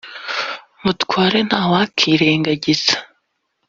mutware nta wakwirengagiza